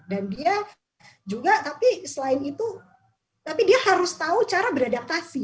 dan dia juga tapi selain itu tapi dia harus tahu cara beradaptasi